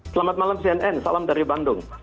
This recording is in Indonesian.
selamat malam cnn salam dari bandung